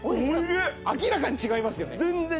明らかに違いますよね。